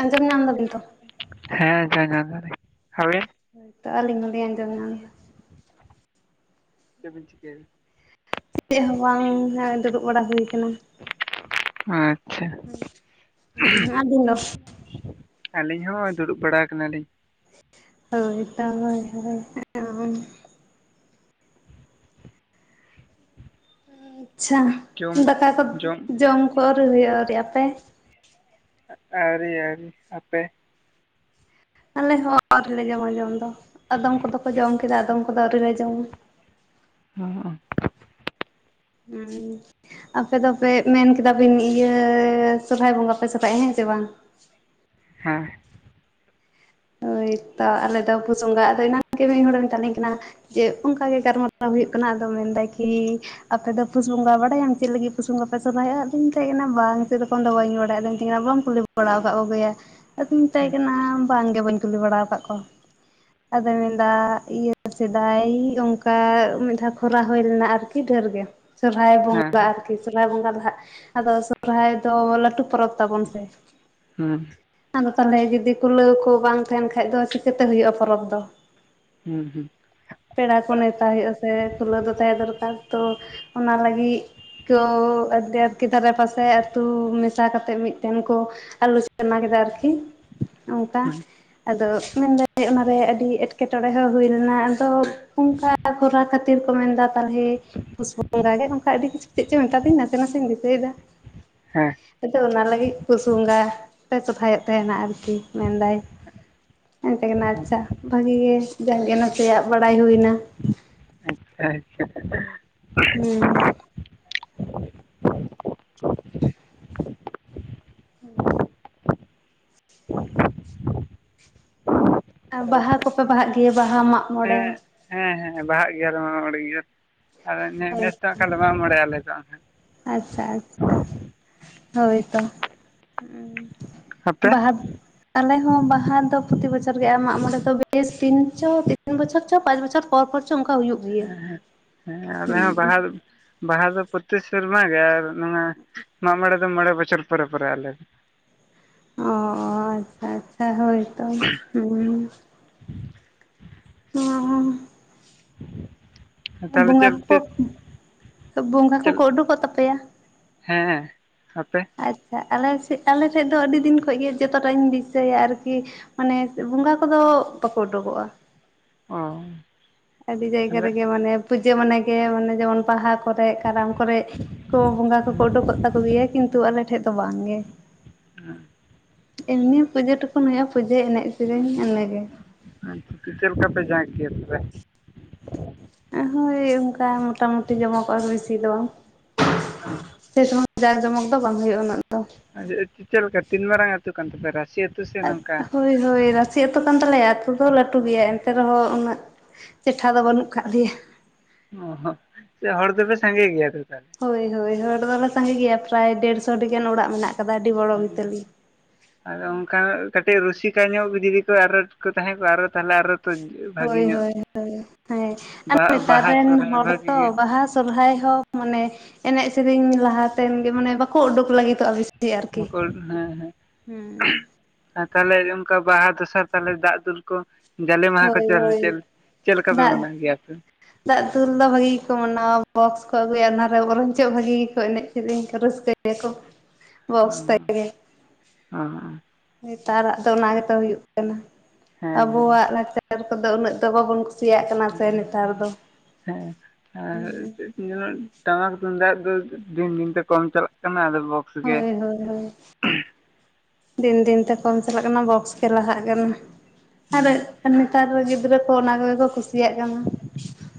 ᱟᱸᱡᱚᱢ ᱧᱟᱢ ᱫᱟᱵᱤᱱ ᱛᱚ? ᱦᱮᱸ [unintelligible] ᱟᱹᱵᱤᱱ? [inaudible] ᱟᱹᱞᱤᱧ ᱦᱚᱸᱞᱤᱧ ᱟᱸᱡᱚᱢ ᱧᱟᱢᱼᱫᱟ᱾ ᱪᱮᱫ ᱵᱤᱱ ᱪᱤᱠᱟᱹᱭᱮᱫᱟ? ᱪᱮᱫ ᱦᱚᱸ ᱵᱟᱝᱼᱟ ᱫᱩᱲᱩᱵ ᱵᱟᱲᱟ ᱦᱩᱭ ᱠᱟᱱᱟ᱾ ᱟᱪᱪᱷᱟ᱾ ᱟᱹᱵᱤᱱ ᱫᱚ? ᱟᱹᱞᱤᱧ ᱦᱚᱸ ᱫᱩᱲᱩᱵ ᱵᱟᱲᱟ ᱠᱟᱱᱟᱞᱤᱧ᱾ ᱦᱳᱭ ᱛᱚ ᱦᱳᱭ ᱦᱳᱭ [unintelligible] ᱟᱪᱪᱷᱟ ᱡᱚᱢ ᱫᱟᱠᱟ ᱠᱚᱫ ᱡᱚᱢ ᱠᱚ ᱟᱹᱣᱨᱤ ᱦᱩᱭᱩᱜᱼᱟ ᱟᱹᱣᱨᱤ ᱟᱯᱮ? ᱟᱹᱣᱨᱤ ᱟ. ᱣ‌ᱨᱤ ᱟᱯᱮ ᱟᱞᱮᱦᱚ ᱟᱹᱣᱨᱤ‌ ᱞᱮ ᱡᱚᱢᱟ ᱡᱚᱢ ᱫᱚ, ᱟᱫᱚᱢ ᱠᱚᱫᱚ ᱠᱚ ᱡᱚᱢ ᱠᱮᱫᱟ ᱟᱫᱚᱢ ᱠᱚᱫᱚ ᱟᱹᱣᱨᱤ ᱞᱮ ᱡᱚᱢᱟ᱾ [unintelligible] ᱩᱸ᱾ ᱟᱯᱮ ᱫᱚᱯᱮ ᱢᱮᱱ ᱠᱮᱫᱟᱵᱤᱱ ᱤᱭᱟᱹ ᱥᱚᱨᱦᱟᱭ ᱵᱚᱸᱜᱟ ᱯᱮ ᱥᱚᱨᱦᱟᱭᱚᱜᱼᱟ ᱦᱮᱸ ᱥᱮ ᱵᱟᱝ? ᱦᱮᱸ᱾ ᱦᱳᱭ ᱛᱚ ᱟᱞᱮ ᱫᱚ ᱯᱷᱩᱥ ᱵᱚᱸᱜᱟ, ᱟᱫᱚ ᱮᱱᱟᱱ ᱜᱮ ᱢᱤᱫ ᱦᱚᱲᱮ ᱢᱮᱛᱟᱞᱤᱧ ᱠᱟᱱᱟ ᱡᱮ ᱚᱱᱠᱟᱜᱮ ᱜᱟᱞᱢᱟᱨᱟᱣ ᱦᱩᱭᱩᱜ ᱠᱟᱱᱟ ᱟᱫᱚ ᱢᱮᱱᱫᱟᱭ ᱠᱤ ᱟᱯᱮ ᱫᱚ ᱯᱩᱥ ᱵᱚᱸᱜᱟ ᱵᱟᱰᱟᱭᱟᱢ ᱪᱮᱫ ᱞᱟᱹᱜᱤᱫ ᱯᱩᱥ ᱵᱚᱸᱜᱟ ᱯᱮ ᱥᱚᱨᱦᱟᱭᱚᱼᱟ? ᱟᱫᱩᱧ ᱢᱮᱛᱟᱭ ᱠᱟᱱᱟ ᱵᱟᱝ, ᱥᱮ ᱨᱚᱠᱚᱢ ᱫᱚ ᱵᱟᱹᱧ ᱵᱟᱰᱟᱭᱟ, ᱟᱫᱚᱭ ᱢᱮᱛᱟᱧ ᱠᱟᱱᱟ, ᱵᱟᱢ ᱠᱩᱞᱤ ᱵᱟᱲᱟᱣ ᱠᱟ ᱠᱚᱜᱮᱭᱟ ᱟᱫᱚᱧ ᱢᱮᱛᱟᱭ ᱠᱟᱱᱟ ᱵᱟᱝᱜᱮ ᱵᱟᱹᱧ ᱠᱩᱞᱤ ᱵᱟᱲᱟᱣ ᱠᱟᱜ ᱠᱚᱣᱟ᱾ ᱟᱫᱚᱭ ᱢᱮᱱᱫᱟ ᱤᱭᱟᱹ ᱥᱮᱫᱟᱭ ᱚᱱᱠᱟ ᱢᱤᱫ ᱫᱷᱟᱣ ᱠᱷᱚᱨᱟ ᱦᱩᱭ ᱞᱮᱱᱟ ᱟᱨᱠᱤ ᱟᱹᱰᱤ ᱰᱷᱮᱨ ᱜᱮ ᱥᱚᱨᱦᱟᱭ ᱵᱚᱸᱜᱟ ᱦᱮᱸ ᱟᱨ ᱠᱤ ᱥᱚᱨᱚᱦᱟᱭ ᱵᱚᱸᱜᱟ ᱫᱚ ᱦᱟᱸᱜ ᱟᱫᱚ ᱥᱚᱨᱚᱦᱟᱭ ᱫᱚ ᱞᱟᱹᱴᱩ ᱯᱚᱨᱚᱵᱽ ᱛᱟᱵᱚᱱ ᱥᱮ᱾ ᱦᱮᱸ᱾ ᱟᱫᱚ ᱛᱟᱦᱚᱞᱮ ᱡᱩᱫᱤ ᱠᱩᱞᱟᱹᱣ ᱠᱚ ᱵᱟᱝ ᱛᱟᱦᱮᱱ ᱠᱷᱟᱡ ᱫᱚ ᱪᱤᱠᱟᱹᱛᱮ ᱦᱩᱭᱩᱜᱼᱟ ᱯᱚᱨᱚᱵᱽ ᱫᱚ? ᱦᱩᱸ ᱦᱩᱸ᱾ ᱯᱮᱲᱟ ᱠᱚ ᱱᱮᱣᱛᱟ ᱦᱩᱭᱩᱜ-ᱟ ᱥᱮ, ᱠᱷᱩᱞᱟᱹᱣ ᱫᱚ ᱛᱟᱦᱮᱸ ᱫᱚᱨᱠᱟᱨ ᱛᱚ ᱚᱱᱟ ᱞᱟᱹᱜᱤᱫ ᱠᱚ ᱟᱹᱰᱠᱤ ᱫᱷᱟᱨᱮ ᱯᱟᱥᱮ ᱟᱹᱛᱩ ᱢᱮᱥᱟ ᱠᱟᱛᱮᱫ ᱢᱤᱫᱴᱮᱱ ᱠᱚ ᱟᱞᱳᱪᱚᱱᱟ ᱠᱮᱫᱟ ᱟᱨᱠᱤ ᱚᱱᱠᱟ᱾ ᱦᱩᱸ ᱟᱫᱚ ᱢᱮᱱᱫᱟᱹᱧ ᱚᱱᱟᱨᱮ ᱟᱹᱰᱤ ᱮᱴᱠᱮᱴᱚᱬᱮ ᱦᱚᱸ ᱦᱩᱭ ᱞᱮᱱᱟ ᱟᱫᱚ ᱚᱱᱠᱟ ᱠᱚᱨᱟᱣ ᱠᱷᱟᱹᱛᱤᱨ ᱠᱚ ᱢᱮᱱᱫᱟ ᱛᱟᱦᱚᱞᱮ ᱯᱩᱥ‌ ᱵᱚᱸᱜᱟ ᱜᱮ ᱚᱱᱠᱟ ᱟᱹᱰᱤ ᱠᱤᱪᱷᱩ ᱪᱮᱫ ᱪᱚᱭ ᱢᱮᱛᱟᱫᱤᱧ ᱱᱟᱥᱮ ᱱᱟᱥᱮᱧ ᱫᱤᱥᱟᱹᱭᱫᱟ᱾ ᱦᱮᱸ᱾ ᱟᱫᱚ ᱚᱱᱟ ᱞᱟᱹᱜᱤᱫ ᱯᱩᱥ ᱵᱚᱸᱜᱟ ᱯᱮ ᱥᱚᱨᱦᱟᱭᱚᱜ ᱛᱟᱦᱮᱸᱱᱟ ᱟᱨᱠᱤ ᱢᱮᱱᱫᱟᱭ᱾ ᱟᱫᱚᱧ ᱢᱮᱛᱟᱭ ᱠᱟᱱᱟ ᱦᱮᱸ ᱟᱪᱪᱷᱟ ᱵᱷᱟᱹᱜᱤ ᱜᱮ ᱡᱟᱜ ᱜᱮ ᱱᱟᱥᱮᱭᱟᱜ ᱵᱟᱲᱟᱭ ᱦᱩᱭᱱᱟ᱾ ᱟᱪᱪᱷᱟ᱾ ᱦᱩᱸ᱾ ᱦᱩᱸ᱾ ᱟᱨ ᱛᱟᱦᱚᱞᱮ ᱵᱟᱦᱟ ᱠᱚᱯᱮ ᱵᱟᱦᱟᱜ ᱜᱮᱭᱟ ᱵᱟᱦᱟ ᱢᱟᱜ ᱢᱚᱬᱮ? ᱦᱮᱸ ᱦᱮᱸ ᱦᱮᱸ ᱵᱟᱦᱟᱜ ᱜᱮᱭᱟᱞᱮ ᱢᱟᱜᱢᱚᱬᱮ ᱜᱮᱭᱟ, ᱟᱫᱚ ᱱᱮᱥ ᱱᱮᱥ ᱫᱚ ᱠᱷᱟᱱ ᱞᱮ ᱢᱟᱜᱢᱚᱬᱮ ᱟᱞᱮ ᱫᱚ᱾ ᱟᱪᱷᱟ ᱟᱪᱷᱟ ᱦᱳᱭ ᱛᱚ᱾ ᱩᱸ ᱟᱯᱮ ᱵᱟᱦᱟᱵ ᱟᱞᱮ ᱦᱚᱸ ᱵᱟᱦᱟ ᱫᱚ ᱯᱨᱚᱛᱤ ᱵᱚᱪᱷᱚᱨ ᱜᱮ ᱟᱨ ᱢᱟᱜ-ᱢᱚᱬᱮ ᱫᱚ ᱵᱮᱥ ᱛᱤᱱ ᱪᱚ, ᱛᱤᱱ ᱵᱚᱪᱷᱚᱨ ᱪᱚ, ᱯᱟᱸᱪ ᱵᱚᱪᱷᱚᱨ ᱯᱚᱨ ᱯᱚᱨ ᱪᱚ ᱚᱱᱠᱟ ᱦᱩᱭᱩᱜ ᱜᱮᱭᱟ᱾ ᱦᱮᱸ ᱟᱞᱮ ᱦᱚᱸ ᱵᱟᱦᱟ ᱦᱩᱸ ᱵᱟᱦᱟ ᱫᱚ ᱯᱨᱚᱛᱤ ᱥᱮᱨᱢᱟ ᱜᱮ, ᱟᱨ ᱱᱚᱣᱟ ᱢᱟᱜ-ᱢᱚᱬᱮ ᱫᱚ ᱢᱚᱬᱮ ᱵᱚᱪᱷᱚᱨ ᱯᱚᱨᱮ ᱯᱚᱨᱮ ᱟᱞᱮ ᱫᱚ᱾ ᱚᱻ ᱟᱪᱪᱷᱟ ᱟᱪᱪᱷᱟ ᱦᱳᱭ ᱛᱚ ᱩᱸ᱾ [unintelligible] ᱫᱚ᱾ ᱛᱟᱦᱚᱞᱮ ᱵᱚᱸᱜᱟ ᱪᱮᱫ ᱠᱚᱠᱚ, ᱵᱚᱸᱜᱟ ᱠᱚᱠᱚ ᱳᱰᱳᱠᱚᱜ ᱛᱟᱯᱮᱭᱟ? ᱦᱮᱸ ᱦᱮᱸ ᱟᱯᱮ? ᱟᱪᱪᱷᱟ ᱟᱞᱮᱥᱮᱫ ᱟᱞᱮᱥᱮᱫ ᱫᱚ ᱟᱹᱰᱤ ᱫᱤᱱ ᱠᱷᱚᱡ ᱜᱮ ᱡᱚᱛᱚᱴᱟᱜ ᱤᱧ ᱫᱤᱥᱟᱹᱭᱟ ᱟᱨᱠᱤ, ᱢᱟᱱᱮ ᱵᱚᱸᱜᱟ ᱠᱚᱫᱚ ᱵᱟᱠᱚ ᱳᱰᱳᱠᱚᱜᱼᱟ᱾ ᱚ ᱟᱹᱰᱤ ᱡᱟᱭᱜᱟ ᱟᱞᱮ ᱨᱮᱜᱮ ᱢᱟᱱᱮ ᱯᱩᱡᱟᱹ ᱢᱟᱱᱮ ᱜᱮ ᱢᱟᱱᱮ ᱡᱮᱢᱚᱱ ᱵᱟᱦᱟ ᱠᱚᱨᱮ, ᱠᱟᱨᱟᱢ ᱠᱚᱨᱮ, ᱠᱚ ᱵᱚᱸᱜᱟ ᱠᱚᱠᱚ ᱳᱰᱳᱠᱚᱜ ᱛᱟᱠᱚ ᱜᱮᱭᱟ ᱠᱤᱱ ᱛᱩ ᱟᱞᱮ ᱴᱷᱮᱡ ᱫᱚ ᱵᱟᱝ ᱜᱮ᱾ ᱮᱢᱱᱤ ᱯᱩᱡᱟᱹ ᱴᱩᱠᱩᱱ ᱦᱳᱭᱳᱜᱼᱟ ᱯᱩᱡᱟᱹ ᱮᱱᱮᱡ ᱥᱮᱨᱮᱧ ᱤᱱᱟᱹ ᱜᱮ᱾ ᱟᱪᱷᱟ ᱪᱮᱫ ᱞᱮᱠᱟ ᱯᱮ ᱡᱟᱸᱠ ᱜᱮᱭᱟ ᱛᱚᱵᱮ? ᱦᱳᱭ ᱚᱱᱠᱟ ᱢᱚᱴᱟᱢᱩᱴᱤ ᱡᱚᱢᱚᱠᱚᱜ-ᱟ ᱵᱮᱥᱤ ᱫᱚ ᱵᱟᱝ᱾ [inaudible] ᱥᱮ ᱥᱚᱢᱚᱭ ᱡᱟᱸᱠ ᱡᱚᱢᱚᱠ ᱫᱚ ᱵᱟᱝ ᱦᱩᱭᱩᱜᱼᱟ ᱩᱱᱟᱹᱜ ᱫᱚ ᱟᱪᱷᱟ ᱪᱮᱫ ᱞᱮᱠᱟ ᱛᱤᱱ ᱢᱟᱨᱟᱝ ᱟᱹᱛᱩ ᱠᱟᱱ ᱛᱟᱯᱮ ᱨᱟᱹᱥᱤ ᱟᱛ ᱟᱪ ᱦᱳᱭ ᱦᱳᱭ ᱨᱟᱥ ᱨᱟᱹᱥᱤ ᱟᱹᱛᱩ ᱠᱟᱱ ᱛᱟᱞᱮᱭᱟ ᱟᱹᱛᱩ ᱫᱚ ᱞᱟᱹᱴᱩ ᱜᱮᱭᱟ ᱮᱱᱛᱮ ᱨᱮᱦᱚᱸ ᱩᱱᱟᱹᱜ, ᱪᱮᱴᱷᱟ ᱫᱚ ᱵᱟᱹᱱᱩᱜ ᱟᱠᱟᱫ ᱞᱮᱭᱟ᱾ ᱚ ᱦᱚᱸ ᱥᱮ ᱦᱚᱲ ᱫᱚᱯᱮ ᱥᱟᱸᱜᱮ ᱜᱮᱭᱟ ᱛᱚ ᱛᱟᱦᱚᱞᱮ? ᱦᱳᱭ ᱦᱳᱭ ᱦᱚᱲ ᱫᱚᱞᱮ ᱥᱟᱸᱜᱮ ᱜᱮᱭᱟ ᱯᱨᱟᱭ ᱰᱮᱲᱥᱚᱴᱤ ᱜᱟᱱ ᱚᱲᱟᱜ ᱢᱮᱱᱟᱜ ᱟᱠᱟᱫᱟ ᱟᱹᱰᱤ ᱵᱚᱲᱚ ᱵᱤᱛᱟᱹᱞᱤ᱾ ᱟᱫᱚ ᱚᱱᱠᱟ ᱠᱟᱹᱴᱤᱡ ᱨᱩᱥᱤᱠᱟ ᱧᱚᱜ ᱡᱩᱫᱤ ᱠᱚ ᱟᱨᱚ ᱠᱚ ᱛᱟᱦᱮᱸ ᱠᱚᱜᱼᱟ ᱟᱨᱚ ᱛᱟᱦᱚᱞᱮ ᱟᱨᱚ ᱛᱚ ᱵᱷᱟᱜᱮ ᱦᱳᱭ ᱧᱚᱜ ᱦᱳᱭ ᱦᱳᱭ ᱦᱮᱸ ᱟᱨ ᱵᱟᱦᱟ ᱱᱮᱛᱟ ᱵᱟᱦᱟ ᱨᱮᱱ ᱥᱚᱦᱨᱟᱭ ᱦᱚᱲ ᱵᱷᱟᱜᱤ ᱜᱮ ᱛᱚ ᱵᱟᱦᱟ ᱥᱚᱨᱦᱟᱭ ᱦᱚᱸ ᱢᱟᱱᱮ ᱮᱱᱮᱡ, ᱥᱮᱨᱮᱧ, ᱞᱟᱦᱟᱛᱮᱱ ᱜᱮ ᱢᱟᱱᱮ ᱵᱟᱠᱚ ᱳᱰᱳᱠ ᱞᱟᱹᱜᱤᱫᱚᱜᱼᱟ ᱵᱮᱥ ᱵᱚᱠᱚᱞ ᱦᱮᱸ ᱦᱮᱸ, ᱦᱩᱸ ᱛᱟᱦᱚᱞᱮ ᱚᱱᱠᱟ ᱵᱟᱦᱟ ᱫᱚᱥᱟᱨ ᱛᱟᱦᱚᱞᱮ ᱫᱟᱜ ᱫᱩᱞ ᱠᱚ ᱡᱟᱞᱮ ᱢᱟᱦᱟ ᱠᱚ ᱦᱳᱭ ᱪᱮᱫ ᱦᱳᱭ ᱪᱮᱫ ᱪᱮᱫ ᱞᱮᱠᱟ ᱯᱮ ᱫᱟᱜ ᱢᱟᱱᱟᱣ ᱜᱮᱭᱟᱯᱮ? ᱫᱟᱜ ᱫᱩᱞ ᱫᱚ ᱵᱷᱟᱜᱤ ᱜᱮᱠᱚ ᱢᱟᱱᱟᱣᱟ ᱵᱚᱠᱥ ᱠᱚ ᱟᱹᱜᱩᱭᱟ ᱚᱱᱟᱨᱮ ᱵᱚᱨᱚᱝ ᱪᱚᱜ ᱵᱷᱟᱹᱜᱤ ᱜᱮ ᱠᱚ ᱮᱱᱮᱡ᱾ ᱱᱤᱝᱠᱟᱹ ᱨᱟᱹᱥᱠᱟᱹᱭ ᱜᱮᱭᱟ ᱠᱚ ᱵᱚᱠᱥ ᱛᱮᱫ ᱜᱮ᱾ ᱚᱻ ᱱᱮᱛᱟᱨᱟᱜ ᱫᱚ ᱚᱱᱟ ᱜᱮᱛᱚ ᱦᱩᱭᱩᱜ ᱠᱟᱱᱟ᱾ ᱦᱮᱸ ᱟᱵᱚᱣᱟᱜ ᱞᱟᱠᱪᱟᱨ ᱠᱚᱫᱚ ᱩᱱᱟᱹᱜ ᱫᱚ ᱵᱟᱵᱚᱱ ᱠᱩ ᱠᱩᱥᱤᱭᱟᱜ ᱠᱟᱱᱟ ᱦᱮᱸ ᱥᱮ ᱱᱮᱛᱟᱨ ᱫᱚ ᱦᱮᱸ ᱦᱮᱸ ᱦᱮᱸ ᱟᱨ ᱦᱮᱸ᱾ ᱪᱮᱫ ᱴᱟᱢᱟᱠ ᱛᱩᱢᱫᱟᱜ ᱫᱚ ᱫᱤᱱ ᱫᱤᱱ ᱛᱮ ᱠᱚᱢ ᱪᱟᱞᱟᱜ ᱠᱟᱱᱟ ᱟᱫᱚ ᱵᱚᱠᱚᱥ ᱦᱳᱭ ᱦᱳᱭ ᱦᱳᱭ᱾ ᱫᱤᱱ ᱫᱤᱱ ᱛᱮ ᱠᱚᱢ ᱪᱟᱞᱟᱜ ᱠᱟᱱᱟ ᱵᱚᱠᱥ ᱜᱮ ᱞᱟᱦᱟᱜ ᱠᱟᱱᱟ᱾ ᱟᱨ ᱦᱩᱸ ᱟᱨ ᱱᱮᱛᱟᱨ ᱜᱤᱫᱽᱨᱟᱹ ᱠᱚ ᱚᱱᱟ ᱠᱚᱜᱮ ᱠᱚ ᱠᱩᱥᱤᱭᱟᱜ ᱠᱟᱱᱟ᱾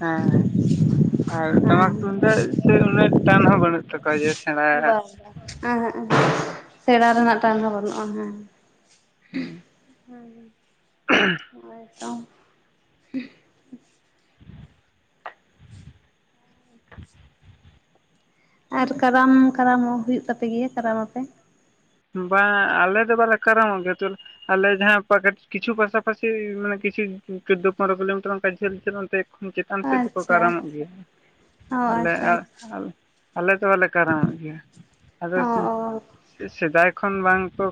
ᱦᱮᱸ ᱦᱮᱸ ᱟᱨ ᱴᱟᱢᱟᱠ ᱦᱮᱸ ᱛᱩᱢᱫᱟᱹᱜ ᱥᱮᱫ ᱩᱱᱟᱹᱜ ᱴᱟᱱ ᱦᱚᱸ ᱵᱟᱹᱱᱩᱜ ᱛᱟᱠᱚᱣᱟ ᱡᱟ ᱵᱟᱝ ᱵᱟ, ᱮᱦᱮᱸᱜ ᱮᱦᱮᱸᱜ ᱥᱮᱬᱟ ᱨᱮᱱᱟᱜ ᱴᱟᱱ ᱦᱚᱸ ᱵᱟᱹᱱᱩᱜᱼᱟ ᱦᱮᱸ᱾ ᱦᱩᱸ᱾ [inaudible] ᱦᱳᱭ ᱛᱚ᱾ [unintelligible] ᱟᱨ ᱠᱟᱨᱟᱢ ᱠᱟᱨᱟᱢ ᱦᱚᱸ ᱦᱩᱭᱩᱜ ᱛᱟᱯᱮᱜᱮᱭᱟ ᱠᱟᱨᱟᱢ ᱢᱟᱯᱮ? ᱵᱟᱝᱟ ᱟᱞᱮ ᱫᱚ ᱵᱟᱞᱮ ᱠᱟᱱᱟᱢᱚᱜ ᱜᱮᱭᱟ᱾ ᱟᱞᱮ ᱡᱟᱦᱟᱸ ᱠᱤᱪᱷᱩ ᱯᱟᱥᱟᱯᱟᱥᱤ ᱢᱟᱱᱮ ᱠᱤᱪᱷᱩ ᱪᱳᱫᱫᱳ ᱯᱚᱱᱮᱨᱚ ᱠᱤᱞᱳᱢᱤᱴᱟᱨ ᱚᱱᱠᱟ ᱡᱷᱟᱹᱞ ᱪᱟᱞᱟᱜ ᱚᱱᱛᱮ ᱪᱮᱛᱟᱱ ᱥᱮᱫ ᱫᱚᱠᱚ ᱟᱪᱪᱷᱟ ᱠᱟᱨᱟᱢᱚᱜ ᱜᱮᱭᱟ᱾ ᱚ ᱟᱞᱮ ᱟᱪᱪᱷᱟ ᱟᱞᱮ ᱫᱚ ᱵᱟᱞᱮ ᱠᱟᱨᱟᱢᱚᱜ ᱜᱮᱭᱟ᱾ ᱟᱫᱚ ᱚ ᱚ ᱥᱮᱫᱟᱭ ᱠᱷᱚᱱ ᱵᱟᱝ ᱠᱚ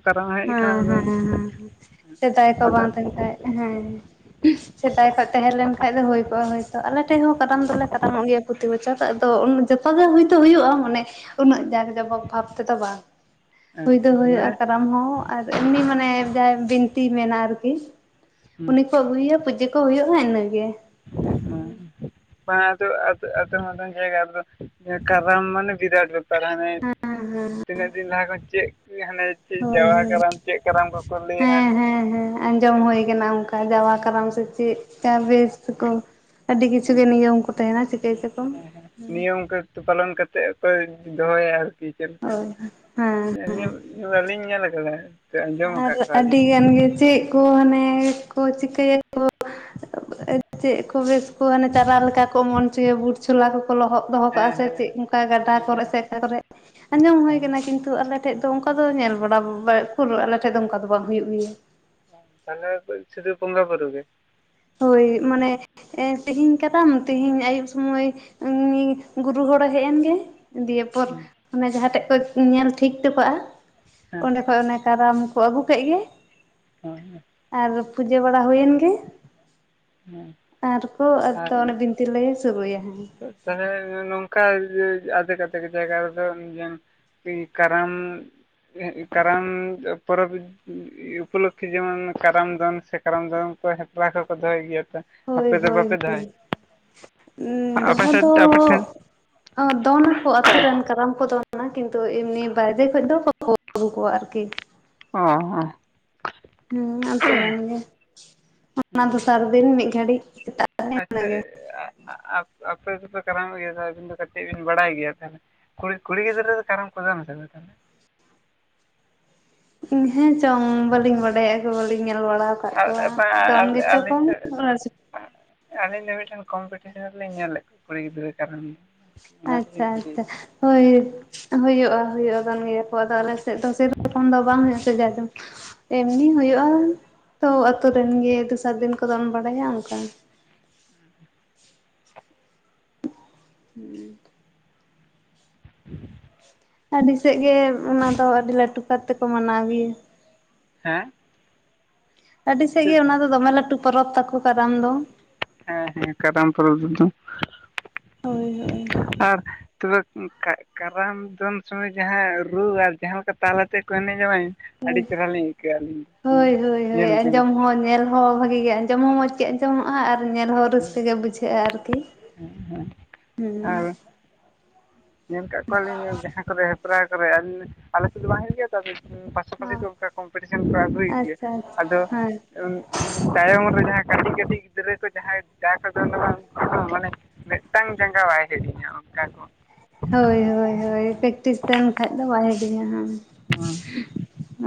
ᱦᱮᱸ ᱦᱮᱸ ᱦᱮᱸ ᱥᱮᱫᱟᱭ ᱠᱷᱚᱡ ᱵᱟᱝ ᱛᱟᱦᱮᱱ ᱟᱫᱚ ᱠᱷᱟᱡ ᱦᱮᱸ ᱾ ᱥᱮᱫᱟᱭ ᱠᱷᱚᱡ ᱛᱟᱦᱮᱸᱞᱮᱱ ᱠᱷᱟᱡ ᱫᱚ ᱦᱩᱭ ᱠᱚᱜᱼᱟ ᱦᱳᱭ ᱛᱚ ᱟᱞᱮ ᱴᱷᱮᱡ ᱦᱚᱸ ᱠᱟᱨᱟᱢ ᱫᱚᱞᱮ ᱠᱟᱨᱟᱢᱚᱜ ᱜᱮᱭᱟ᱾ ᱯᱨᱚᱛᱤ ᱵᱚᱪᱷᱚᱨ ᱟᱫᱚ ᱩᱱ ᱡᱚᱛᱚᱜᱮ ᱦᱩᱭ ᱫᱚ ᱦᱩᱭᱩᱜᱼᱟ ᱢᱟᱱᱮ ᱩᱱᱟᱹᱜ ᱡᱟᱸᱠ ᱡᱚᱢᱚᱠ ᱵᱷᱟᱵ ᱛᱮᱫᱚ ᱵᱟᱝ᱾ ᱦᱩᱭ ᱫᱚ ᱟᱪᱪᱷᱟ ᱦᱩᱭᱩᱜᱼᱟ ᱢᱟᱱᱮ ᱠᱟᱨᱟᱢ ᱦᱚᱸ ᱟᱨ ᱮᱢᱱᱤ ᱢᱟᱱᱮ ᱡᱟᱦᱟᱸᱭ ᱵᱤᱱᱛᱤᱭ ᱢᱮᱱᱟ ᱟᱨᱠᱤ᱾ ᱩᱱᱤ ᱠᱚ ᱟᱹᱜᱩᱭᱟ ᱯᱩᱡᱟᱹ ᱠᱚ ᱦᱩᱭᱩᱜᱼᱟ ᱤᱱᱟᱹᱜᱮ᱾ ᱵᱟᱝᱟ ᱟᱫᱚ ᱟᱫᱚᱢ ᱟᱫᱚᱢ ᱢᱟᱨᱟᱝ ᱡᱟᱭᱜᱟ ᱨᱮᱫᱚ ᱠᱟᱨᱟᱢ ᱢᱟᱱᱮ ᱵᱤᱨᱟᱴ ᱵᱮᱯᱟᱨ ᱦᱟᱱᱮ ᱦᱮᱸ ᱛᱤᱱᱟᱹᱜ ᱫᱤᱱ ᱞᱟᱦᱟ ᱠᱷᱚᱡ ᱪᱮᱫ ᱦᱟᱱᱮ ᱪᱮᱫ ᱦᱳᱭ ᱡᱟᱣᱟ ᱦᱳᱭ ᱠᱟᱨᱟᱢ ᱪᱮᱫ ᱠᱟᱨᱟᱢ ᱠᱚᱠᱚ ᱞᱟᱹᱭᱟ᱾ ᱦᱮᱸ ᱦᱮᱸ ᱟᱸᱡᱚᱢ ᱦᱩᱭ ᱠᱟᱱᱟ ᱚᱱᱠᱟ ᱡᱟᱣᱟ ᱠᱟᱨᱟᱢ ᱥᱮ ᱪᱮᱫ ᱠᱟᱱ ᱵᱮᱥ ᱛᱮᱠᱚ ᱟᱹᱰᱤ ᱠᱤᱪᱷᱩ ᱦᱮᱸ ᱜᱮ ᱱᱤᱭᱚᱢ ᱠᱚ ᱛᱟᱦᱮᱱᱟ ᱪᱤᱠᱟᱹᱭ ᱪᱚᱠᱚ, ᱦᱮᱸ᱾ ᱛᱚ ᱯᱟᱞᱚᱱ ᱠᱟᱛᱮᱫ ᱠᱚ ᱫᱚᱦᱚᱭᱟ ᱟᱨᱠᱤ ᱪᱮᱫ ᱞᱮᱠᱟ? ᱦᱳᱭ ᱦᱮᱸ [unintelligible] ᱵᱟᱞᱤᱧ ᱧᱮᱞ ᱠᱟᱫᱟ᱾ ᱟᱨ ᱟᱹᱰᱤ ᱜᱟᱱ ᱜᱮ ᱪᱮᱫ ᱠᱚ ᱦᱟᱱᱮ ᱠᱚ ᱪᱤᱠᱟᱹᱭᱟᱠᱚ ᱪᱮᱫ ᱠᱚ ᱵᱮᱥ ᱦᱳ ᱦᱟᱱᱮ ᱪᱟᱨᱟ ᱞᱮᱠᱟ ᱠᱚ ᱮᱢᱚᱱ ᱚᱪᱚᱭᱟ ᱵᱩᱴ ᱪᱷᱚᱞᱟ ᱠᱚᱠᱚ ᱞᱚᱦᱚᱫ ᱫᱚᱦᱚ ᱦᱮᱸ ᱠᱟᱜᱼᱟ ᱥᱮ ᱦᱮᱸ ᱪᱮᱫ? ᱚᱠᱟ ᱜᱟᱰᱟ ᱦᱮᱸ ᱦᱮᱸ ᱠᱚᱨᱮᱜ ᱥᱮ ᱚᱠᱟ ᱠᱚᱨᱮᱜ, ᱟᱸᱡᱚᱢ ᱦᱩᱭ ᱦᱮᱸ ᱠᱟᱱᱟ ᱠᱤᱱᱛᱩ ᱟᱞᱮ ᱴᱷᱮᱡ ᱫᱚ ᱚᱱᱠᱟ ᱫᱚ ᱧᱮᱞ ᱵᱟᱲᱟ ᱯᱩᱨᱟᱹ ᱟᱞᱮᱴᱷᱮᱡ ᱫᱚ ᱚᱱᱠᱟ ᱫᱚ ᱵᱟᱝ ᱦᱩᱭᱩᱜ ᱜᱮᱭᱟ᱾ ᱛᱟᱦᱞᱮ ᱥᱩᱫᱩ ᱵᱚᱸᱜᱟ ᱵᱩᱨᱩ ᱜᱮ? ᱦᱳᱭ ᱢᱟᱱᱮ ᱛᱮᱦᱤᱧ ᱠᱟᱨᱟᱢ ᱛᱮᱦᱤᱧ ᱟᱭᱩᱵ ᱥᱚᱢᱚᱭ ᱩᱱᱤ ᱜᱩᱨᱩ ᱦᱚᱲᱮ ᱦᱮᱡ ᱮᱱᱜᱮ ᱫᱤᱭᱮ ᱯᱚᱨ ᱦᱮᱸ ᱚᱱᱮ ᱡᱟᱦᱟᱸ ᱴᱷᱮᱡ ᱠᱚ ᱧᱮᱞ ᱴᱷᱤᱠ ᱴᱚ ᱠᱟᱜᱼᱟ ᱦᱮᱸ ᱚᱸᱰᱮ ᱠᱷᱚᱡ ᱚᱱᱮ ᱠᱟᱨᱟᱢ ᱠᱚ ᱟᱹᱜᱩ ᱠᱮᱫ ᱜᱮ, ᱦᱮᱸ ᱟᱨ ᱯᱩᱡᱟᱹ ᱵᱟᱲᱟ ᱦᱩᱭᱮᱱ ᱜᱮ᱾ ᱦᱮᱸ ᱟᱨ ᱠᱚ ᱟᱫᱚ ᱚᱱᱮ ᱵᱤᱱᱛᱤ ᱞᱮ ᱥᱩᱨᱩᱭᱟ ᱦᱟᱸᱜ᱾ ᱛᱟᱦᱞᱮ ᱱᱚᱝᱠᱟ ᱟᱫᱷᱮᱠ ᱟᱫᱷᱮᱠ ᱡᱟᱭᱜᱟ ᱨᱮᱫᱚ ᱠᱟᱨᱟᱢ, ᱠᱟᱨᱟᱢ ᱯᱚᱨᱚᱵ ᱤᱭᱟᱹ ᱩᱯᱚᱞᱚᱠᱠᱷᱮ ᱡᱮᱢᱚᱱ ᱠᱟᱨᱟᱢ ᱫᱚᱱ ᱥᱮ ᱠᱟᱨᱟᱢ ᱫᱚᱫᱚᱱ ᱠᱚ ᱦᱮᱯᱨᱟᱣ ᱠᱚᱠᱚ ᱫᱚᱦᱚᱭ ᱜᱮᱭᱟ ᱛᱚ? ᱟᱯᱮ ᱦᱳᱭ ᱫᱚ ᱦᱳᱭ ᱵᱟᱯᱮ ᱦᱳᱭ ᱫᱚᱦᱚᱭ ᱟᱯᱮ ᱫᱚᱦᱚ ᱥᱮᱫ ᱫᱚ ᱟᱯᱮ ᱴᱷᱮᱱ ᱫᱚᱱᱟᱠᱚ ᱟᱹᱛᱩ ᱨᱮᱱ ᱠᱟᱨᱟᱢ ᱠᱚ ᱫᱚᱱᱟ ᱠᱤᱱᱛᱩ ᱮᱢᱱᱤ ᱵᱟᱭᱨᱮ ᱠᱷᱚᱡ ᱫᱚ ᱵᱟᱠᱚ ᱟᱜᱩ ᱠᱚᱣᱟ ᱟᱨᱠᱤ᱾ ᱚ ᱦᱚᱸ ᱦᱮᱸ ᱟᱹᱛᱳ ᱨᱮᱱ ᱜᱮ ᱚᱱᱟ ᱫᱚᱥᱟᱨ ᱫᱤᱱ ᱢᱤᱫ ᱜᱷᱟᱹᱲᱤᱡᱼᱼ ᱟᱪᱪᱷᱟ ᱟ ᱟᱹᱹᱹ ᱟᱯᱮ ᱫᱚᱯᱮ ᱠᱟᱨᱟᱢᱚᱜ ᱜᱮᱭᱟ ᱟᱹᱵᱤᱱ ᱫᱚ ᱠᱟᱹᱴᱤᱡ ᱵᱤᱱ ᱵᱟᱲᱟᱭ ᱜᱮᱭᱟ ᱛᱟᱦᱮᱱᱟ᱾ ᱠᱩᱲᱤ ᱠᱩᱲᱤᱜᱤᱫᱽᱨᱟᱹ ᱫᱚ ᱠᱟᱨᱚᱢ ᱠᱩ ᱫᱚᱱ ᱟᱥᱮ ᱵᱟᱝᱼᱟ ᱛᱟᱦᱚᱞᱮ? ᱤᱧ ᱦᱮᱸ ᱪᱚᱝ ᱵᱟᱹᱞᱤᱧ ᱵᱟᱰᱟᱭᱟ ᱩᱠᱩᱨ ᱵᱟᱹᱞᱤᱧ ᱧᱮᱞ ᱵᱟᱲᱟ ᱟᱠᱟᱫ ᱠᱚᱣᱟ᱾ ᱫᱚᱱ ᱜᱮᱪᱚᱝ ᱟᱹᱞᱤᱧ ᱠᱚᱱ ᱫᱚ [inaudible] ᱠᱷᱚᱱ᱾ ᱟᱹᱞᱤᱧ ᱫᱚ ᱢᱤᱫᱴᱮᱱ ᱠᱚᱢᱯᱤᱴᱤᱥᱮᱱ ᱨᱮᱞᱤᱧ ᱧᱮᱞᱮᱫ ᱠᱚᱣᱟ ᱠᱩᱲᱤ ᱜᱤᱫᱽᱨᱟᱹ ᱠᱟᱨᱟᱢ ᱫᱚᱱ᱾ ᱟᱪᱪᱷᱟ ᱟᱪᱪᱷᱟ᱾ ᱦᱳᱭ ᱦᱩᱭᱩᱜᱼᱟ ᱦᱩᱭᱩᱜ ᱠᱟᱱ ᱜᱮᱭᱟ ᱠᱚ ᱟᱫᱚ ᱟᱞᱮᱥᱮᱫ ᱫᱚ ᱥᱮᱨᱚᱠᱚᱢ ᱫᱚ ᱵᱟᱝ ᱦᱩᱭᱩᱜ ᱟᱥᱮ ᱡᱟᱡᱚᱢᱼᱼ ᱮᱢᱱᱤ ᱦᱩᱭᱩᱜᱼᱟ ᱛᱚ ᱟᱹᱛᱩ ᱨᱮᱱ ᱜᱮ ᱫᱚᱥᱟᱨ ᱫᱤᱱ ᱠᱚ ᱫᱚᱱ ᱵᱟᱲᱟᱭᱟ ᱚᱱᱠᱟ᱾ ᱦᱮᱸ ᱦᱮᱸ [inaudible] ᱟᱹᱰᱤ ᱥᱮᱫ ᱜᱮ ᱚᱱᱟ ᱫᱚ ᱟᱹᱰᱤ ᱞᱟᱹᱴᱩ ᱠᱟᱨ ᱛᱮᱠᱚ ᱢᱟᱱᱟᱣ ᱜᱮᱭᱟ᱾ ᱦᱮᱸ ᱥᱮᱫ ᱜᱮ ᱪᱮᱫ ᱚᱱᱟ ᱪᱚᱝ ᱫᱚ ᱫᱚᱢᱮ ᱞᱟᱹᱴᱩ ᱯᱚᱨᱚᱵᱽ ᱛᱟᱠᱚ ᱠᱟᱨᱟᱢ ᱫᱚ᱾ ᱦᱮᱸ ᱦᱮᱸ ᱠᱟᱨᱟᱢ ᱯᱚᱨᱚᱵᱽ ᱨᱮᱫᱚ ᱼᱼ ᱦᱳᱭ ᱦᱳᱭ ᱟᱨ ᱛᱚᱵᱮ ᱠᱟᱨᱟᱢ ᱫᱚᱱ ᱥᱚᱢᱚᱭ ᱡᱟᱦᱟᱸ ᱨᱩ ᱟᱨ ᱡᱟᱦᱟᱸ ᱞᱮᱠᱟ ᱛᱟᱞ ᱟᱛᱮ ᱠᱚ ᱮᱱᱮᱡᱟ ᱵᱟᱝᱼᱼ ᱟᱹᱰᱤ ᱪᱮᱦᱨᱟ ᱞᱤᱧ ᱟᱹᱭᱠᱟᱹᱜ ᱟᱹᱞᱤᱧ ᱦᱳᱭ ᱦᱳᱭ ᱦᱳᱭ ᱧᱮᱞ ᱡᱚᱧ᱾ ᱟᱸᱡᱚᱢ ᱦᱚᱸ ᱧᱮᱞ ᱦᱚᱸ ᱵᱷᱟᱹᱜᱤ ᱜᱮ ᱟᱸᱡᱚᱢ ᱦᱚᱸ ᱢᱚᱸᱡᱽ ᱜᱮ ᱟᱸᱡᱚᱢᱚᱜᱼᱟ ᱟᱨ ᱧᱮᱞ ᱦᱚᱸ ᱨᱟᱹᱥᱠᱟᱹ ᱜᱮ ᱵᱩᱡᱷᱟᱹᱜᱼᱟ ᱟᱨᱠᱤ᱾ ᱦᱩᱸ ᱟᱨ ᱧᱮᱞ ᱠᱟᱜ ᱠᱚᱣᱟᱞᱤᱧ ᱡᱟᱦᱟᱸ ᱠᱚᱨᱮ ᱦᱮᱯᱨᱟᱣ ᱠᱚᱨᱮ ᱟᱞᱮ ᱥᱮᱫ ᱫᱚ ᱵᱟᱝ ᱦᱩᱭᱩᱜ ᱜᱮᱭᱟ ᱛᱚᱼᱼ ᱥᱟᱯᱷᱟᱥᱤᱛᱤ ᱟᱪᱪᱷᱟ ᱚᱱᱠᱟ ᱠᱚᱢᱯᱤᱴᱤᱥᱮᱱ ᱠᱚ ᱟᱹᱜᱩᱭ ᱜᱮᱭᱟ ᱟᱪᱪᱷᱟ ᱟᱫᱚ᱾ ᱦᱮᱸ ᱛᱟᱭᱚᱢ ᱨᱮ ᱡᱟᱦᱟᱸ ᱠᱟᱹᱴᱤᱡ ᱠᱟᱹᱴᱤᱡ ᱜᱤᱫᱽᱨᱟᱹ ᱠᱚ ᱡᱟᱦᱟᱸᱭ ᱡᱟ ᱠᱚ ᱫᱚ ᱵᱟᱝ ᱩᱱᱠᱩ ᱢᱟᱱᱮ᱾ ᱢᱤᱫᱴᱟᱝ ᱡᱟᱸᱜᱟ ᱵᱟᱭ ᱦᱮᱲᱤᱧᱟᱹ ᱚᱱᱠᱟ ᱠᱚᱼᱼ ᱦᱳᱭ ᱦᱳᱭ ᱯᱮᱠᱴᱤᱥ ᱛᱟᱦᱮᱱ ᱠᱷᱟᱡ ᱫᱚ ᱵᱟᱭ ᱦᱟᱹᱲᱤᱧᱟ ᱦᱮᱸ ᱦᱸ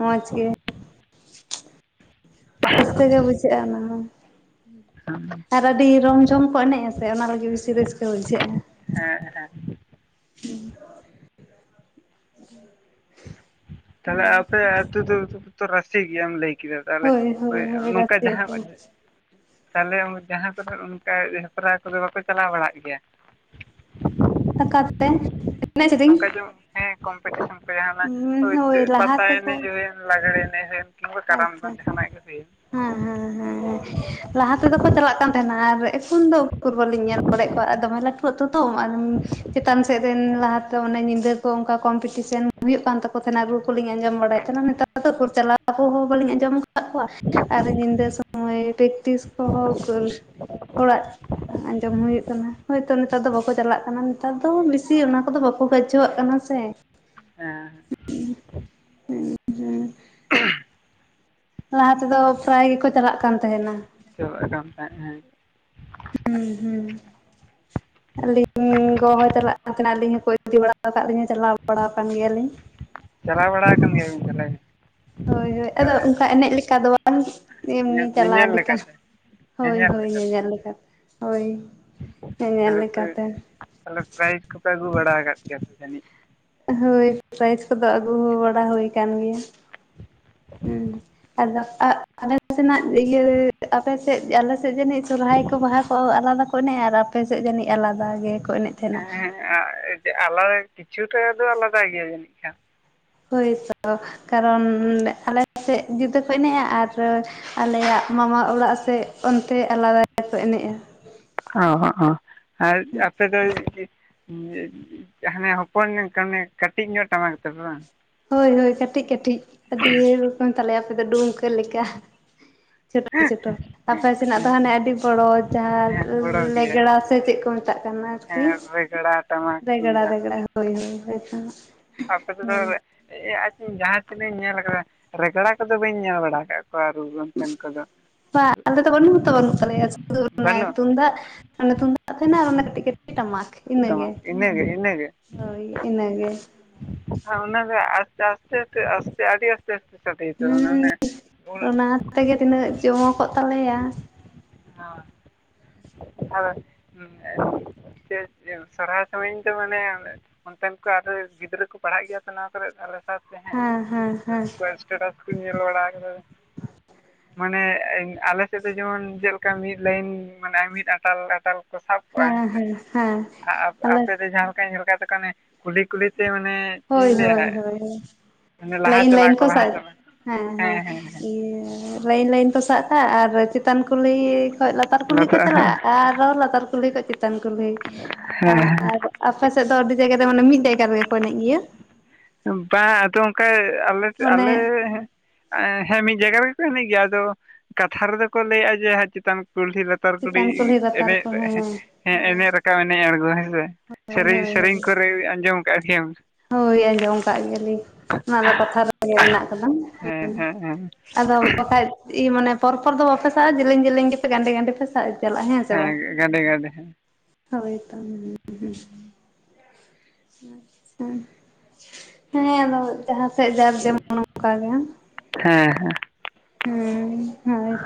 ᱢᱚᱡᱽ ᱜᱮ ᱨᱟᱹᱥᱠᱟᱹ ᱜᱮ ᱵᱩᱡᱷᱟᱹᱜᱼᱟ ᱚᱱᱟ ᱦᱚᱸ᱾ [inaudible] ᱟᱨ ᱟᱹᱰᱤ ᱨᱚᱢ ᱡᱷᱚᱢ ᱠᱚ ᱮᱱᱮᱡᱼᱟ ᱥᱮ ᱚᱱᱟ ᱞᱟᱹᱜᱤᱫ ᱵᱤᱥᱤ ᱨᱟᱹᱥᱠᱟᱹ ᱵᱩᱡᱷᱟᱹᱜᱼᱟ᱿ ᱦᱮᱸ ᱦᱮᱸ ᱛᱟᱦᱚᱞᱮ ᱟᱯᱮ ᱟᱹᱛᱩ ᱫᱚ ᱨᱟᱹᱥᱤ ᱜᱮᱭᱟᱢ ᱞᱟᱹᱭ ᱠᱮᱫᱟ ᱛᱟᱦᱚᱞᱮ ᱦᱳᱭ ᱦᱳᱭ ᱦᱳᱭ ᱱᱚᱝᱠᱟ ᱨᱟᱥᱮ ᱡᱟᱦᱟᱸ ᱟᱠᱚ ᱛᱟᱞᱦᱮᱸ ᱡᱟᱦᱟᱸ ᱠᱚᱨᱮ ᱚᱱᱠᱟ ᱦᱮᱯᱨᱟᱣ ᱠᱚᱫᱚ ᱵᱟᱯᱮ ᱪᱟᱞᱟᱣ ᱵᱟᱲᱟᱜ ᱜᱮᱭᱟ ᱚᱠᱟᱛᱮ ᱮᱱᱮᱡ ᱥᱤᱨᱤᱧ ᱱᱚᱝᱠᱟ ᱡᱮᱢᱚᱱ ᱦᱮᱸ ᱠᱚᱢᱯᱤᱴᱤᱥᱚᱱ ᱠᱚᱨᱮ ᱡᱟᱦᱟᱸᱱᱟᱜ ᱦᱳᱭ ᱞᱟᱦᱟ ᱯᱟᱛᱟ ᱛᱮᱠᱚ ᱮᱱᱮᱡ ᱦᱩᱭᱮᱱ ᱞᱟᱜᱽᱲᱮ ᱮᱱᱮᱡ ᱦᱩᱭᱮᱱ ᱟᱫᱚ ᱠᱟᱨᱟᱢ ᱟᱪᱪᱷᱟ ᱫᱚᱱ ᱡᱟᱦᱟᱱᱟᱜ [unintelligible] ᱦᱮᱸ ᱦᱮᱸ ᱦᱮᱸ ᱦᱮᱸ ᱞᱟᱦᱟ ᱛᱮᱫᱚ ᱠᱚ ᱪᱟᱞᱟᱜ ᱠᱟᱱ ᱛᱟᱦᱮᱸᱱᱟ ᱟᱨ ᱮᱠᱷᱚᱱ ᱫᱚ ᱩᱠᱩᱨᱵᱟᱹᱞᱤᱧ ᱧᱮᱞ ᱵᱟᱲᱟᱭᱮᱫ ᱠᱚᱣᱟ ᱟᱨ ᱫᱚᱢᱮ ᱞᱟᱹᱴᱩ ᱟᱹᱛᱩ ᱛᱚ ᱟᱫᱚ ᱪᱮᱛᱟᱱ ᱥᱮᱫ ᱨᱮᱱ ᱞᱟᱦᱟᱛᱮ ᱚᱱᱮ ᱧᱤᱫᱟᱹ ᱠᱚ ᱚᱱᱠᱟ ᱠᱚᱢᱯᱤᱴᱤᱥᱮᱱ ᱦᱩᱭᱩᱜ ᱠᱟᱱ ᱛᱟᱠᱚ ᱛᱟᱦᱮᱱᱟ ᱨᱩ ᱠᱚᱞᱤᱧ ᱟᱸᱡᱚᱢ ᱵᱟᱲᱟᱭᱮᱫ ᱛᱟᱦᱮᱱᱟ ᱱᱮᱛᱟᱨ ᱫᱚ ᱩᱠᱩᱨ ᱪᱟᱞᱟᱣ ᱨᱩ ᱦᱚ ᱵᱟᱹᱞᱤᱧ ᱟᱸᱡᱚᱢ ᱟᱠᱟᱫ ᱠᱚᱣᱟ ᱟᱨ ᱧᱤᱫᱟᱹ ᱥᱚᱢᱚᱭ ᱯᱮᱠᱴᱤᱥ ᱠᱚᱦᱚᱸ ᱩᱠᱩᱨ ᱚᱲᱟᱜ ᱟ ᱟᱸᱡᱚᱢ ᱦᱩᱭᱩᱜ ᱠᱟᱱᱟ ᱦᱳᱭᱛᱳ ᱱᱮᱛᱟᱨ ᱫᱚ ᱵᱟᱠᱚ ᱪᱟᱞᱟᱜ ᱠᱟᱱᱟ ᱱᱮᱛᱟᱨ ᱫᱚ ᱵᱮᱥᱤ ᱚᱱᱟ ᱠᱚᱫᱚ ᱵᱟᱠᱚ ᱜᱚᱡᱡᱷᱚᱣᱟᱜ ᱠᱟᱱᱟ ᱥᱮ ᱦᱮᱸ ᱞᱟᱦᱟ ᱛᱮᱫᱚ ᱯᱨᱟᱭ ᱜᱮᱠᱚ ᱪᱟᱞᱟᱜ ᱠᱟᱱ ᱛᱟᱦᱮᱸᱱᱟ ᱪᱚᱜ ᱮ ᱠᱟᱱ ᱛᱟᱦᱮᱸᱫ ᱮ ᱦᱩᱸ ᱦᱩᱸ ᱟᱹᱞᱤᱧ ᱜᱚ ᱦᱚ ᱪᱟᱞᱟᱜ ᱠᱟᱱ ᱛᱟᱦᱮᱱᱟ ᱟᱹᱞᱤᱧ ᱦᱚᱸᱠᱚ ᱤᱫᱤ ᱵᱟᱲᱟ ᱟᱠᱟᱫ ᱞᱤᱧᱟ ᱪᱟᱞᱟᱣ ᱵᱟᱲᱟ ᱟᱠᱟᱱ ᱜᱮᱭᱟᱞᱤᱧ᱾ ᱪᱟᱞᱟᱣ ᱵᱟᱲᱟ ᱠᱟᱱ ᱜᱮᱭᱟ ᱵᱤᱱ ᱛᱟᱦᱞᱮ? ᱦᱳᱭ ᱦᱳᱭ ᱟᱫᱚ ᱚᱱᱠᱟ ᱮᱱᱮᱡ ᱞᱮᱠᱟ ᱫᱚ ᱵᱟᱝ᱾ ᱮᱢᱱᱤ ᱪᱟᱞᱟᱣ ᱧᱮᱧᱮᱞ ᱞᱮᱠᱟ ᱞᱮᱠᱟᱛᱮ ᱦᱳᱭ ᱧᱮᱧᱮᱞ ᱦᱳᱭ ᱞᱮᱠᱟᱛᱮ ᱧᱮᱧᱮᱞ ᱞᱮᱠᱟ ᱦᱳᱭ᱾ ᱦᱮ ᱧᱮᱞ ᱛᱟᱦᱚᱞᱮ ᱯᱮ ᱞᱮᱠᱟᱛᱮ᱾ ᱛᱟᱦᱚᱞᱮ ᱯᱨᱟᱭᱤᱡᱽ ᱠᱚᱯᱮ ᱟᱹᱜᱩ ᱵᱟᱲᱟ ᱟᱠᱟᱫ ᱜᱮᱭᱟ ᱥᱮ ᱡᱟᱹᱱᱤᱡ᱾ ᱦᱳᱭ ᱯᱨᱟᱭᱤᱡᱽ ᱠᱚᱫᱚ ᱟᱹᱜᱩ ᱵᱟᱲᱟ ᱦᱩᱭ ᱟᱠᱟᱱ ᱜᱮᱭᱟ᱾ ᱦᱮᱸ᱾ ᱟᱫᱚ ᱟᱞᱮ ᱥᱮᱱᱟᱜ ᱤᱭᱟᱹ ᱟᱯᱮᱥᱮᱫ ᱟᱞᱮᱥᱮᱫ ᱡᱟᱹᱱᱤᱡ ᱥᱚᱨᱚᱦᱟᱭ ᱠᱚ ᱵᱟᱦᱟ ᱠᱚ ᱟᱞᱟᱫᱟ᱾ ᱠᱚ ᱚᱱᱮᱡᱟ ᱟᱨ ᱟᱯᱮ ᱥᱮᱫ ᱠᱚ ᱡᱟᱹᱱᱤᱡ ᱟᱞᱟᱫᱟ ᱜᱮᱠᱚ ᱮᱱᱮᱡ ᱛᱟᱦᱮᱱᱟ᱾ ᱮ ᱟᱞᱟᱫᱟ ᱠᱤᱪᱷᱩᱴᱟ ᱫᱚ ᱟᱞᱟᱫᱟ ᱜᱮᱭᱟ ᱡᱟᱹᱱᱤᱡ ᱠᱷᱟᱱ᱾ ᱦᱳᱭ ᱛᱚ ᱠᱟᱨᱚᱱ ᱟᱞᱮ ᱥᱮᱫ ᱡᱩᱫᱟᱹ ᱠᱚ ᱮᱱᱮᱡᱼᱟ ᱟᱨ ᱟᱞᱮᱭᱟᱜ ᱢᱟᱢᱟ ᱚᱲᱟᱜ ᱥᱮᱫ ᱚᱱᱛᱮ ᱟᱞᱟᱫᱟ ᱜᱮᱠᱚ ᱮᱱᱮᱡᱼᱟ᱾ ᱦᱚ ᱦᱚ ᱟᱨ ᱟᱯᱮ ᱫᱚ᱾ ᱡᱟᱦᱟ ᱦᱚᱯᱚᱱ ᱱᱚᱜ ᱠᱟᱱᱮ ᱠᱟᱹᱴᱤᱡ ᱧᱚᱜ ᱴᱟᱢᱟᱠ ᱛᱟᱯᱮ ᱵᱟᱝ? ᱦᱳᱭ ᱦᱳᱭ ᱠᱟᱹᱴᱤᱡ ᱠᱟᱹᱴᱤᱡ ᱟᱹᱰᱤ ᱨᱚᱠᱚᱢ ᱛᱟᱞᱮᱭᱟ ᱟᱯᱮ ᱫᱚ ᱰᱩᱢᱠᱟᱹ ᱞᱮᱠᱟ᱾ ᱪᱷᱳᱴᱳ ᱪᱷᱳᱴᱚ᱾ ᱟᱯᱮ ᱥᱮᱱᱟᱜ ᱫᱚ ᱦᱮᱸ ᱦᱟᱱᱮ ᱟᱹᱰᱤ ᱵᱚᱲᱚ ᱡᱟᱦᱟ ᱦᱮᱸ ᱜᱚᱲᱚ ᱜᱮᱭᱟ ᱞᱮᱜᱽᱲᱟ ᱥᱮ ᱪᱮᱫ ᱠᱚ ᱢᱮᱛᱟᱜ ᱠᱟᱱᱟ ᱟᱨᱠᱤ᱾ ᱜᱮᱲᱟ᱾ ᱨᱮᱜᱽᱲᱟ ᱨᱮᱜᱽᱲᱟ ᱦᱳᱭ ᱦᱳᱭ ᱦᱚ᱾ ᱟᱯᱮ ᱛᱮᱫᱚ ᱟᱪ ᱡᱟᱦᱟᱸ ᱛᱤᱱᱟᱹᱜ ᱤᱧ ᱧᱮᱞ ᱠᱟᱫᱟ ᱨᱮᱜᱽᱲᱟ ᱠᱚᱫᱚ ᱵᱟᱹᱧ ᱧᱮᱞ ᱵᱟᱲᱟ ᱟᱠᱟᱫ ᱠᱚᱣᱟ ᱨᱩ ᱫᱚ ᱵᱟ ᱟᱞᱮ ᱫᱚ ᱵᱟᱱᱩᱜ ᱦᱚᱛᱚ ᱵᱟᱱᱩᱜ ᱛᱟᱞᱮᱭᱟ ᱥᱩᱫᱩ ᱚᱱᱮ ᱵᱟᱹᱱᱩᱜ ᱛᱩᱝᱫᱟᱜ᱾ ᱢᱟᱱᱮ ᱛᱩᱢᱫᱟᱜ ᱛᱟᱦᱮᱱᱟ ᱟᱨ ᱚᱱᱟ ᱠᱟᱴᱤᱡ ᱠᱟᱴᱤᱡ ᱴᱟᱢᱟᱠ᱾ ᱤᱱᱟ ᱠᱚᱛᱟᱢᱟ ᱜᱮ ᱤᱱᱟᱹᱜᱮ ᱦᱳᱭ ᱤᱱᱟᱜᱮ᱾ ᱦᱚ ᱚᱱᱟ ᱜᱮ ᱟᱥᱛᱮ ᱟᱥᱛᱮ ᱛᱮ ᱟᱥᱛᱮ ᱟᱹᱰᱤ᱾ ᱦᱩᱸ [unintelligible] ᱚᱱᱟ ᱛᱮᱜᱮ ᱛᱤᱱᱟᱹᱜ ᱡᱚᱢᱚ ᱠᱚᱜ ᱛᱟᱞᱮᱭᱟ᱾ ᱦᱮᱸ᱾ [inaudible] [unintelligible] ᱥᱚᱨᱦᱟᱭ ᱥᱚᱢᱚᱭ ᱫᱚᱧ ᱢᱟᱱᱮ ᱚᱱᱛᱮᱱ ᱠᱚ ᱟᱨ ᱜᱤᱫᱽᱨᱟᱹ ᱠᱚ ᱯᱟᱲᱦᱟᱜ ᱜᱮᱭᱟ ᱛᱚ ᱱᱚᱣᱟ ᱠᱚᱨᱮ ᱟᱞᱮ ᱥᱟᱶᱛᱮ ᱦᱮᱸ ᱩᱱᱠᱩᱣᱟᱜ ᱮᱥᱴᱮᱴᱟᱥ ᱠᱩ ᱤᱧ ᱧᱮᱞ ᱵᱟᱲᱟ ᱠᱟᱫᱟ᱾ ᱢᱟᱱᱮ ᱟᱞᱮ ᱥᱮᱫ ᱫᱚ ᱡᱮᱢᱚᱱ ᱡᱮᱞᱮᱠᱟ ᱢᱤᱫ ᱞᱟᱭᱤᱱ ᱢᱟᱱᱮ ᱢᱤᱫ ᱟᱴᱟᱞ ᱟᱴᱟᱞ ᱥᱟᱵ ᱠᱚᱜᱼᱟ᱾ ᱦᱮᱸ ᱦᱮᱸᱥᱮ? ᱦᱮᱸ ᱦᱮᱸ ᱟᱞᱮ ᱟᱻᱟᱯᱮ ᱫᱚ ᱡᱟᱦᱟᱸ ᱞᱮᱠᱟ ᱧᱮᱞ ᱠᱚ ᱫᱚᱯᱮ ᱠᱩᱞᱦᱤ ᱠᱩᱞᱦᱤ ᱛᱮ ᱢᱟᱱᱮ ᱪᱮᱫ ᱦᱳᱭ ᱤᱧ ᱦᱳᱭ ᱞᱟᱹᱭᱟ ᱦᱳᱭ᱾ ᱢᱟᱱᱮ ᱞᱟᱦᱟ ᱞᱟᱭᱤᱱ ᱞᱟᱭᱤᱱ ᱪᱟᱞᱟᱜ ᱟᱠᱚ ᱠᱚ ᱞᱟᱦᱟ ᱥᱟᱵ ᱪᱟᱞᱟᱜ ᱦᱮᱸ ᱦᱮᱸ ᱤᱭᱟᱹ ᱞᱟᱭᱤᱱ ᱞᱟᱭᱤᱱ ᱠᱚ ᱥᱟᱜ ᱠᱟᱜᱼᱟ᱾ ᱟᱨ ᱪᱮᱛᱟᱱ ᱠᱩᱞᱦᱤ ᱠᱷᱚᱡ ᱞᱟᱛᱟ ᱞᱟᱛᱟᱨ ᱠᱩᱞᱦᱤ ᱠᱚ ᱪᱟᱞᱟᱜᱼᱟ᱾ ᱟᱨᱚ ᱞᱟᱛᱟᱨ ᱠᱩᱞᱦᱤ ᱠᱚ ᱪᱮᱛᱟᱱ ᱠᱩᱞᱦᱤ ᱦᱮᱸ ᱟᱨ ᱟᱯᱮ ᱥᱮᱫ ᱫᱚ ᱟᱹᱰᱤ ᱡᱟᱭᱜᱟ ᱨᱮ ᱢᱟᱱᱮ ᱢᱤᱫ ᱡᱟᱭᱜᱟ ᱨᱮᱜᱮ ᱠᱚ ᱮᱱᱮᱡ ᱜᱮᱭᱟ᱾ ᱵᱟᱝ ᱟᱫᱚ ᱚᱝᱠᱟ ᱟᱞᱮᱥᱮᱫ ᱢᱟᱱᱮ ᱟᱞᱮ ᱦᱮᱸ ᱢᱤᱫ ᱡᱟᱭᱜᱟ ᱨᱮᱜᱮ ᱠᱚ ᱮᱱᱮᱡ ᱜᱮᱭᱟ, ᱟᱫᱚ ᱠᱟᱛᱷᱟ ᱨᱮᱫᱚ ᱠᱚ ᱞᱟᱹᱭᱮᱫᱼᱟ᱾ ᱡᱮ ᱪᱮᱛᱟᱱ ᱠᱩᱞᱦᱤ ᱞᱟᱛᱟᱨ᱾ ᱞᱟᱛᱟᱨ ᱠᱩᱞᱦᱤ ᱪᱮᱛᱟᱱ ᱞᱟᱛᱟᱨ ᱮᱱᱮᱡ ᱠᱩᱞᱦᱤ ᱦᱮᱸ ᱦᱮᱸ ᱮᱱᱮᱡ ᱨᱟᱠᱟᱵ ᱮᱱᱮᱡ ᱟᱬᱜᱚ ᱦᱮᱸ ᱥᱮ? ᱦᱳᱭ ᱥᱮᱨᱮᱧ ᱦᱳᱭ ᱥᱮᱨᱮᱧ ᱦᱳᱭ ᱠᱚᱨᱮ ᱟᱸᱡᱚᱢ ᱠᱟᱫ ᱜᱮᱭᱟᱢ? ᱦᱳᱭ ᱟᱸᱡᱚᱢ ᱠᱟᱜ ᱜᱮᱭᱟᱞᱤᱧ ᱚᱱᱟ ᱫᱚ ᱠᱟᱛᱷᱟ ᱨᱮᱜᱮ ᱢᱮᱱᱟᱜ ᱠᱟᱫᱟ᱾ ᱦᱮᱸ ᱦᱮᱸ ᱦᱮᱸ [unintelligible] ᱟᱫᱚ᱾ ᱵᱟᱠᱷᱟᱡ ᱢᱟᱱᱮ ᱯᱚᱨ ᱯᱚᱨ ᱫᱚ ᱵᱟᱯᱮ ᱥᱟᱵᱼᱟ᱾ ᱡᱮᱞᱮᱧ ᱡᱮᱞᱤᱧ ᱜᱮᱯᱮ ᱜᱟᱸᱰᱮ ᱜᱟᱸᱰᱮ ᱯᱮ ᱥᱟᱵ ᱪᱟᱞᱟᱜᱟ ᱦᱮᱸ ᱥᱮ ᱵᱟᱝ? ᱜᱟᱰᱮ ᱜᱟᱰᱮ ᱦᱮᱸ ᱦᱳᱭ ᱛᱚ ᱦᱩᱸ ᱦᱩᱸ ᱟᱪᱪᱷᱟ ᱦᱮᱸ ᱟᱫᱚ ᱡᱟᱸᱦᱟ ᱥᱮᱫ ᱡᱟᱨ ᱡᱮ ᱢᱚᱱ ᱚᱱᱠᱟ ᱜᱮ᱾ ᱦᱮᱸ ᱦᱮᱸ᱾ ᱦᱩᱸ ᱦᱳᱭ